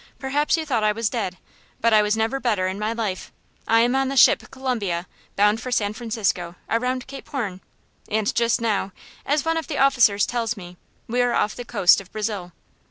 Perhaps you thought I was dead, but I was never better in my life. I am on the ship Columbia, bound for San Francisco, around Cape Horn; and just now, as one of the officers tells me, we are off the coast of Brazil.